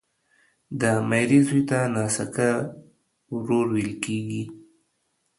د ميرې زوی ته ناسکه ورور ويل کیږي